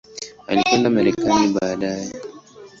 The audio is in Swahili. Alikwenda Marekani baadaye.